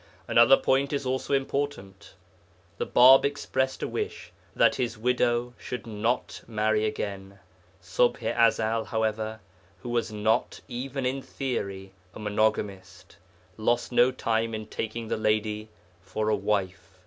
Another point is also important. The Bāb expressed a wish that his widow should not marry again. Ṣubḥ i Ezel, however, who was not, even in theory, a monogamist, lost no time in taking the lady for a wife.